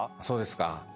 そうですか。